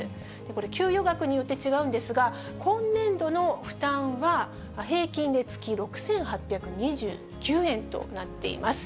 これ給与額によって違うんですが、今年度の負担は、平均で月６８２９円となっています。